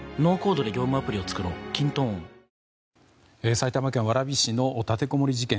埼玉県蕨市の立てこもり事件。